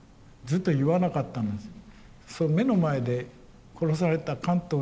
だから言わなかったんですね。